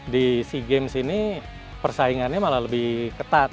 di sea games ini persaingannya malah lebih ketat